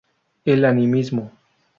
El animismo.